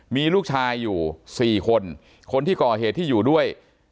มีลูกชายอยู่๔คนคนที่ก่อเหตุที่อยู่ด้วย